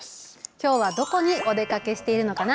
きょうはどこにお出かけしているのかな。